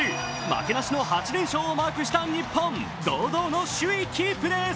負けなしの８連勝をマークした日本堂々の首位キープです。